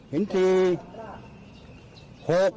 ถึง๖ถึง๗